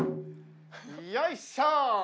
よいしょ！